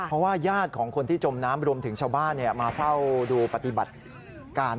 เพราะว่าญาติของคนที่จมน้ำรวมถึงชาวบ้านมาเฝ้าดูปฏิบัติการ